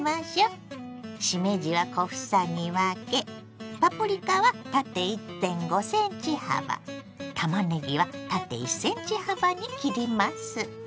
しめじは小房に分けパプリカは縦１．５ｃｍ幅たまねぎは縦１ｃｍ幅に切ります。